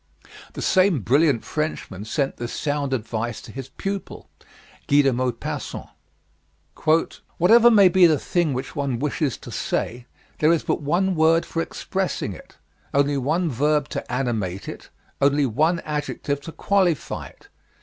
The same brilliant Frenchman sent this sound advice to his pupil, Guy de Maupassant: "Whatever may be the thing which one wishes to say, there is but one word for expressing it, only one verb to animate it, only one adjective to qualify it.